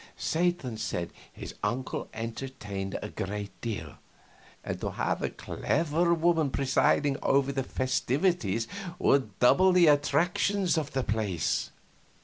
Satan said his uncle entertained a great deal, and to have a clever woman presiding over the festivities would double the attractions of the place.